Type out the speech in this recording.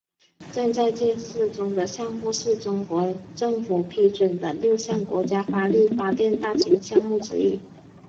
正在建设中的项目是中国政府批准的六项国家风力发电大型项目之一。